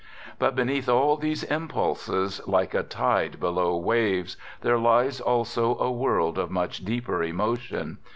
... But beneath all these impulses, like a tide below waves, there lies also a world of much deeper emotion.